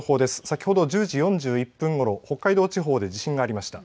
先ほど１０時４１分ごろ北海道地方で地震がありました。